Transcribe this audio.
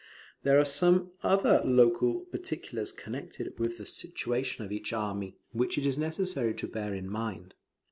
There are some other local particulars connected with the situation of each army, which it is necessary to bear in mind.